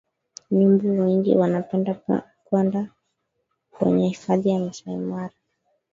nyumbu wengi wanapenda kwenda kwenye hifadhi ya masai mara